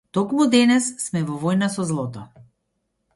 Токму денес сме во војна со злото!